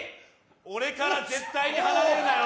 俺から絶対に離れるなよ